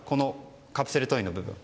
カプセルトイの部分に。